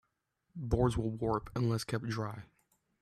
Boards will warp unless kept dry.